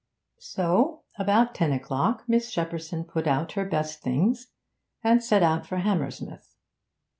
So, about ten o'clock, Miss Shepperson put on her best things, and set out for Hammersmith.